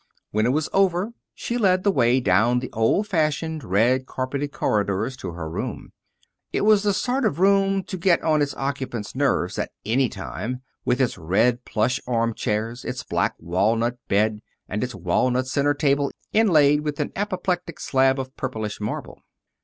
When it was over she led the way down the old fashioned, red carpeted corridors to her room. It was the sort of room to get on its occupant's nerves at any time, with its red plush arm chairs, its black walnut bed, and its walnut center table inlaid with an apoplectic slab of purplish marble.